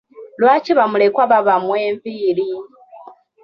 Lwaki ba mulekwa babamwa enviiri?